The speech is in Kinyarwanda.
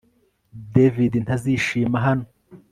David ntazishima hano